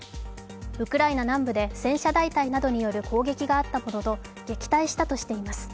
ウクライナ南部で戦車大隊などによる攻撃があったものの撃退したとしています。